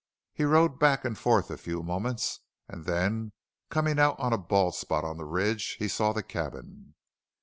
He rode back and forth a few moments, and then, coming out on a bald spot on the ridge, he saw the cabin.